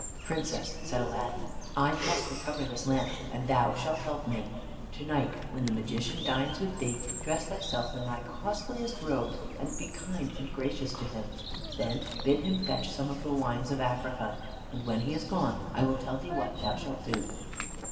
"Princess," said Aladdin, "I must recover this lamp, and thou shalt help me. To night when the Magician dines with thee, dress thyself in thy costliest robes, and be kind and gracious to him. Then bid him fetch some of the wines of Africa, and when he is gone, I will tell thee what thou shalt do."